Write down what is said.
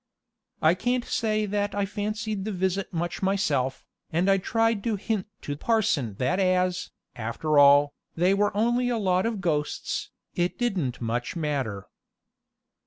I can't say that I fancied the visit much myself, and I tried to hint to parson that as, after all, they were only a lot of ghosts, it didn't much matter.